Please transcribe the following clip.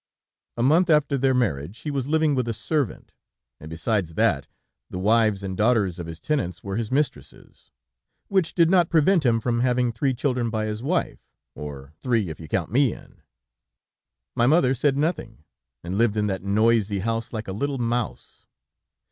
A month after their marriage he was living with a servant, and besides that, the wives and daughters of his tenants were his mistresses, which did not prevent him from having three children by his wife, or three, if you count me in. My mother said nothing, and lived in that noisy house like a little mouse.